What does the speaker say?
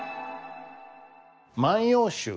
「万葉集」。